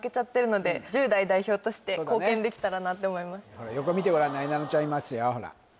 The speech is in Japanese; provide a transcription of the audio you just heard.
ほら横見てごらんなえなのちゃんいますよほら